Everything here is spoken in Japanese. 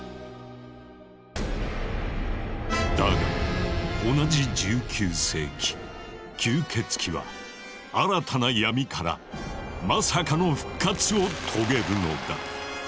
だが同じ１９世紀吸血鬼は新たな闇からまさかの復活を遂げるのだ。